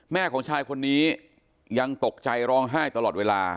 แม่ของชายคนนี้ยังตกใจร้องไห้ตลอดเวลา